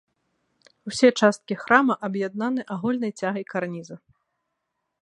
Усе часткі храма аб'яднаны агульнай цягай карніза.